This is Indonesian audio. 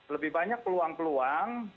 lebih banyak peluang peluang